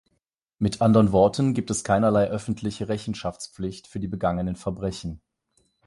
Mit anderen Worten gibt es keinerlei öffentliche Rechenschaftspflicht für die begangenen Verbrechen.